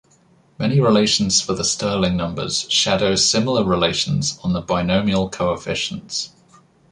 Many relations for the Stirling numbers shadow similar relations on the binomial coefficients.